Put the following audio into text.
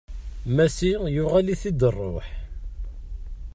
Massi yuɣal-it-id rruḥ.